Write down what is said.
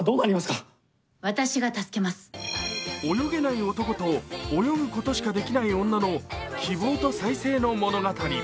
泳げない男と泳ぐことしかできない女の希望と再生の物語